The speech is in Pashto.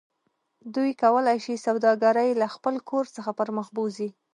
دوی کولی شي سوداګرۍ له خپل کور څخه پرمخ بوځي